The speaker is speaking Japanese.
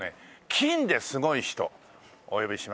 金ですごい人お呼びしましたね。